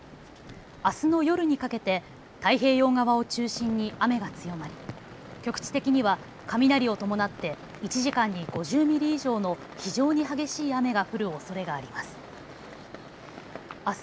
あすの夜にかけて太平洋側を中心に雨が強まり局地的には雷を伴って１時間に５０ミリ以上の非常に激しい雨が降るおそれがあります。